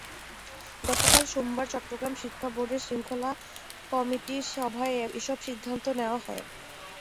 গতকাল সোমবার চট্টগ্রাম শিক্ষা বোর্ডের শৃঙ্খলা কমিটির সভায় এসব সিদ্ধান্ত নেওয়া হয়।